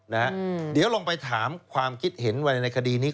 เดี๋ยวลองไปถามความคิดเห็นไว้ในคดีนี้